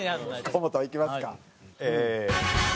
河本いきますか。